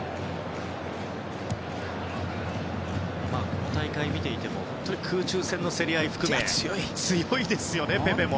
この大会を見ていても本当に空中戦の競り合いを含め強いですよね、ペペも。